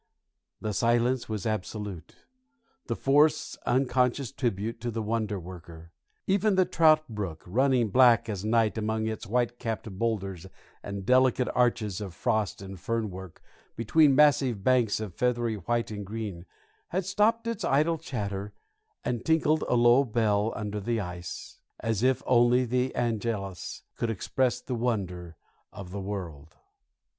The silence was absolute, the forest's unconscious tribute to the Wonder Worker. Even the trout brook, running black as night among its white capped boulders and delicate arches of frost and fern work, between massive banks of feathery white and green, had stopped its idle chatter and tinkled a low bell under the ice, as if only the Angelus could express the wonder of the world.